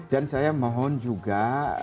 dan saya mohon juga